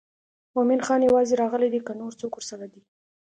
مومن خان یوازې راغلی دی که نور څوک ورسره دي.